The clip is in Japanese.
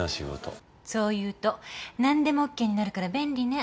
そう言うと何でもＯＫになるから便利ね。